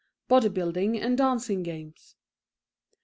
Body Building and Dancing Games.